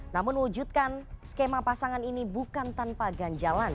namun mewujudkan skema pasangan ini bukan tanpa ganjalan